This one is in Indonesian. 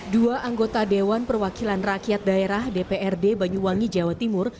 dua anggota dewan perwakilan rakyat daerah dprd banyuwangi jawa timur